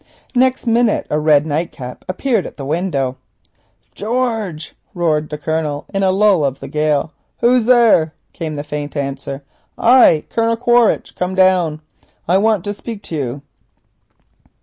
Next minute a red nightcap appeared at the window. "George!" roared the Colonel, in a lull of the gale. "Who's there?" came the faint answer. "I—Colonel Quaritch. Come down. I want to speak to you."